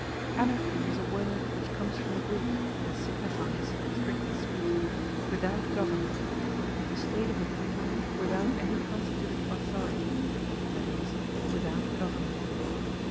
ANARCHY is a word which comes from the Greek, and signifies, strictly speaking, without government: the state of a people without any constituted authority, that is, without government.